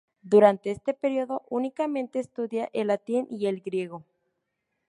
Durante este periodo, únicamente estudia el latín y el griego.